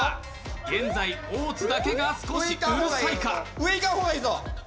現在、大津だけが少しうるさいか。